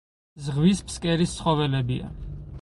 ზღვის ფსკერის ცხოველებია.